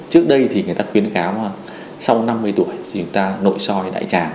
trước đây thì người ta khuyến khám là sau năm mươi tuổi thì chúng ta nội soi đại tràng